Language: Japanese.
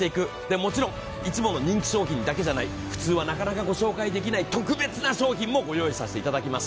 もちろんいつもの人気商品だけではなく、普通はなかなかご紹介できない特別な商品もご紹介させていただきます。